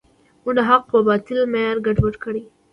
موږ د حق و باطل معیار ګډوډ کړی.